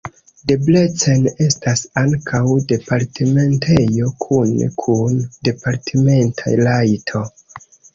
Debrecen estas ankaŭ departementejo kune kun departementa rajto.